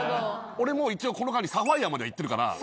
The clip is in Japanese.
俺もう一応この間にサファイアまではいってるから。